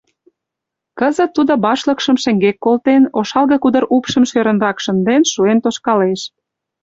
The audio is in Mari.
Кызыт тудо башлыкшым шеҥгек колтен, ошалге кудыр упшым шӧрынрак шынден шуэн тошкалеш.